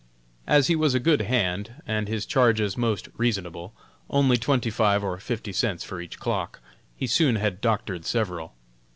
As he was a good hand, and his charges most reasonable, only twenty five or fifty cents for each clock, he soon had doctored several.